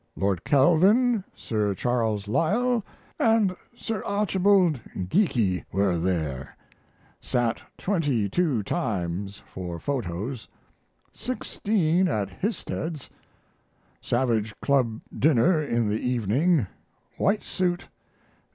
Lord Kelvin, Sir Charles Lyell, and Sir Archibald Geikie were there. Sat 22 times for photos, 16 at Histed's. Savage Club dinner in the evening. White suit.